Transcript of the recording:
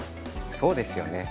そうですよね。